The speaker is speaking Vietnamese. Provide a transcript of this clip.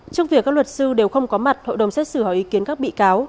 trong việc các luật sư đều không có mặt hội đồng xét xử hỏi ý kiến các bị cáo